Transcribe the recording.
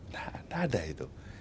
nggak ada itu